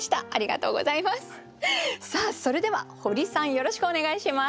さあそれではホリさんよろしくお願いします。